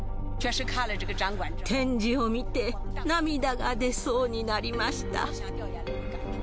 展示を見て、涙が出そうになりました。